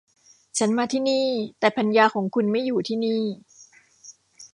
ฉันมาที่นี่ แต่ภรรยาของคุณไม่อยู่ที่นี่